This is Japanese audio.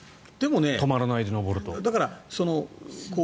止まらないで登ると。